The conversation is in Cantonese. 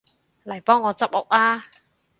嚟幫我執屋吖